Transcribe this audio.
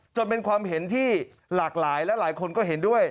จนเป็นความเห็นที่หลากหลายและหลายคนก็เห็นด้วย